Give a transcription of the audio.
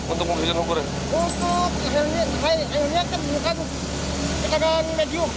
untuk menggunakan air dengan high pressure kita menggunakan air medium